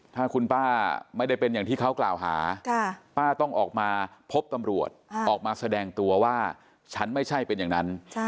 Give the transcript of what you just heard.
ถ้าคุณป้าไม่ได้เป็นอย่างที่เขากล่าวหาป้าต้องออกมาพบตำรวจออกมาแสดงตัวว่าฉันไม่ใช่เป็นอย่างนั้น